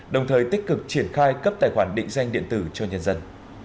đồng thời tích cực triển khai cấp tài khoản định danh điện tử cho nhân dân